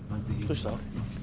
どうした？